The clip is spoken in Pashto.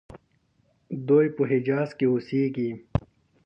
دوی په حجاز کې اوسیږي.